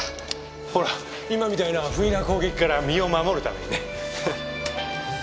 ほら今みたいな不意な攻撃から身を守るためにね。